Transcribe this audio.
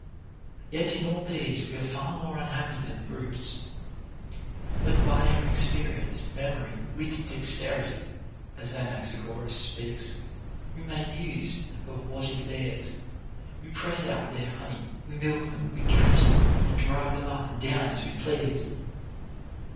* Yea, in all these we are far more unhappy than the brutes. But by our experience, memory, wit, and dex terity (as Anaxagoras speaks) we make use of what is theirs ; we press out their honey, we milk them, we catch them, and drive them up and down as we please.